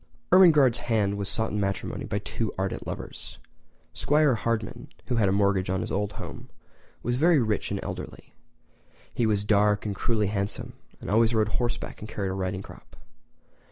Ermengarde's hand was sought in matrimony by two ardent lovers. 'Squire Hardman, who had a mortgage on the old home, was very rich and elderly. He was dark and cruelly handsome, and always rode horseback and carried a riding crop.